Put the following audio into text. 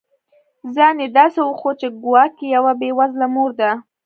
ځان یې داسي وښود چي ګواکي یوه بې وزله مور ده